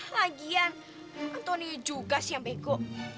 lagian antonia juga sih yang bego